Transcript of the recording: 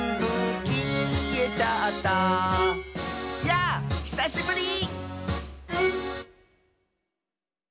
「やぁひさしぶり！」